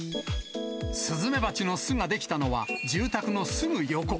スズメバチの巣が出来たのは、住宅のすぐ横。